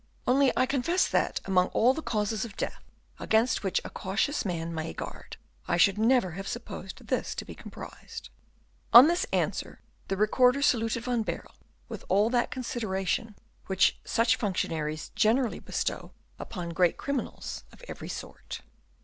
"Only I confess that, among all the causes of death against which a cautious man may guard, I should never have supposed this to be comprised." On this answer, the Recorder saluted Van Baerle with all that consideration which such functionaries generally bestow upon great criminals of every sort.